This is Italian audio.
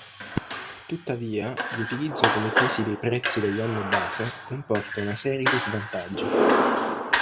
Tuttavia, l'utilizzo come pesi dei prezzi dell'anno base comporta una serie di svantaggi.